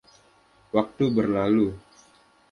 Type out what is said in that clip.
Waktu berlalu.